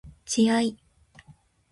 自愛